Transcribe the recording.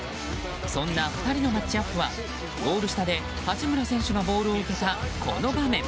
そんな２人のマッチアップはゴール下で八村選手がボールを受けたこの場面。